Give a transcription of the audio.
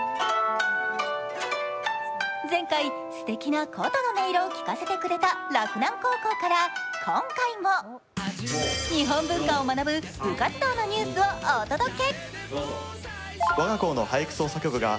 前回、すてきな琴の音色を伝えてくれた洛南高校から今回も日本文化を学ぶ部活動のニュースをお届け。